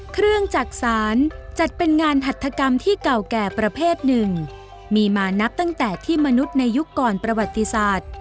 จักษานจัดเป็นงานหัตถกรรมที่เก่าแก่ประเภทหนึ่งมีมานับตั้งแต่ที่มนุษย์ในยุคก่อนประวัติศาสตร์